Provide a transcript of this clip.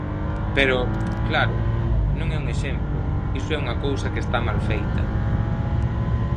Pero, claro, non é un exemplo, iso é unha cousa que está mal feita.